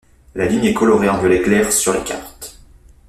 La ligne est colorée en violet clair sur les cartes.